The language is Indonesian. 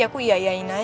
aku iayain aja